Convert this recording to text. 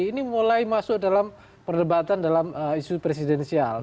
ini mulai masuk dalam perdebatan dalam isu presidensial